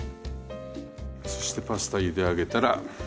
そしてパスタゆで上げたら。